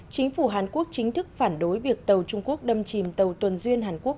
chính phủ hàn quốc chính thức phản đối việc tàu trung quốc đâm chìm tàu tuần duyên hàn quốc